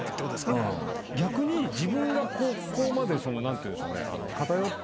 逆に自分がここまで何て言うんでしょうね。